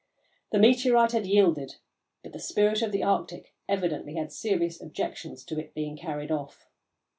The meteorite had yielded, but the Spirit of the Arctic evidently had serious objections to it being carried off.